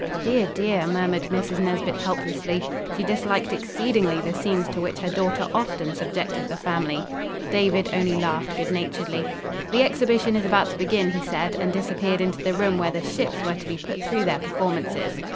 "Dear, dear," murmured Mrs. Nesbit helplessly. She disliked exceedingly the scenes to which her daughter often subjected the family. David only laughed good naturedly. "The exhibition is about to begin," he said, and disappeared into the room where the ships were to be put through their performances.